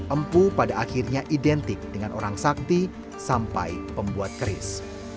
empu pada akhirnya identik dengan orang sakti sampai pembuat keris